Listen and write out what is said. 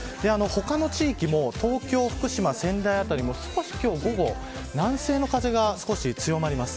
他の地域も東京、福島、仙台辺りも少し今日、午後南西の風が強まります。